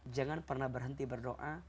jangan pernah berhenti berdoa